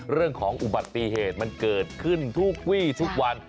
เรื่องของอุบัติเหตุมันเกิดขึ้นทุกวี่ทุกวัน